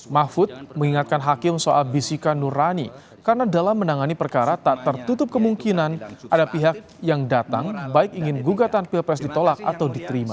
mahfud mengingatkan hakim soal bisikan nurani karena dalam menangani perkara tak tertutup kemungkinan ada pihak yang datang baik ingin gugatan pilpres ditolak atau diterima